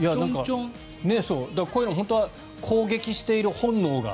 こういうのは本当は攻撃している、本能が。